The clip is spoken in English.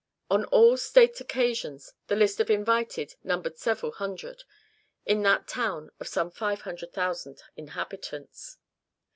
On all state occasions the list of invited numbered several hundred, in that town of some five thousand inhabitants.